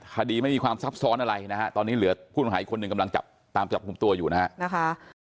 คดีไม่มีความซับซ้อนอะไรนะฮะตอนนี้เหลือผู้ต้องหาอีกคนหนึ่งกำลังจับตามจับกลุ่มตัวอยู่นะฮะ